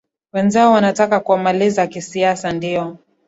wenzao wanataka kuwamaliza kisiasa ndio